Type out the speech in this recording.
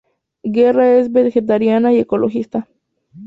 Guerra es vegetariana y ecologista.